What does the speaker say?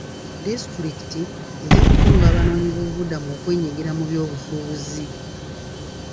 Disitulikiti ejja kukunga abanoonyiboobubudamu okwenyigira mu byobusuubuzi.